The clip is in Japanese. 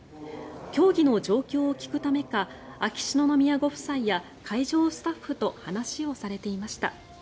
競技の状況を聞くためか秋篠宮ご夫妻や会場スタッフと話をされていました。